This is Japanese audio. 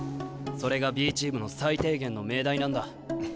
それがＢチームの最低限の命題なんだ。